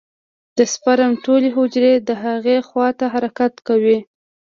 د سپرم ټولې حجرې د هغې خوا ته حرکت کا.